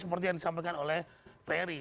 seperti yang disampaikan oleh ferry